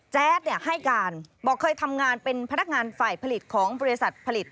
ให้การบอกเคยทำงานเป็นพนักงานฝ่ายผลิตของบริษัทผลิต